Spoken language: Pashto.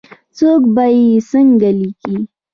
څوک به یې څنګه لیکي ؟